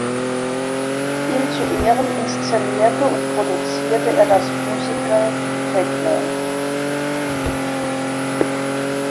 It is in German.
Ihm zu Ehren inszenierte und produzierte er das Musical "Cagney".